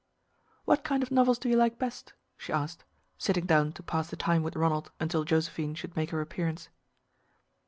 "What kind of novels do you like best?" she asked, sitting down to pass the time with Ronald until Josephine should make her appearance.